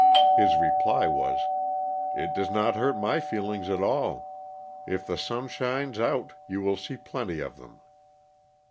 His reply was, "it does not hurt my feelings at all; if the sun shines out you will see plenty of them."